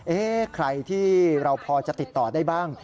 ใครที่เราพอจะติดต่อได้บ้าง